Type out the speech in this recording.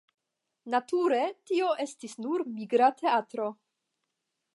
Nature tio estis nur migra teatro.